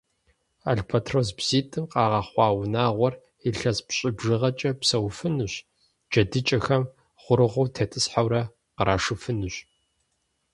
Альбэтрос бзитӀым къагъэхъуа унагъуэр илъэс пщӀы бжыгъэкӀэ псэуфынущ, джэдыкӀэхэм гъуэрыгъуэу тетӀысхьэурэ къырашыфынущ.